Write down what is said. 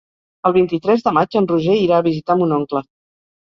El vint-i-tres de maig en Roger irà a visitar mon oncle.